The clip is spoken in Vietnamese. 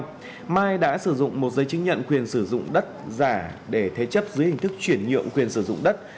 theo cáo trạng mai đã sử dụng một giấy chứng nhận quyền sử dụng đất giả để thế chấp dưới hình thức chuyển nhượng quyền sử dụng đất